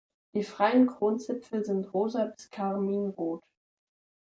Die freien Kronzipfel sind rosa bis karminrot.